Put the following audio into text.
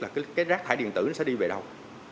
là cái rác thải điện tử nó sẽ đi về đâu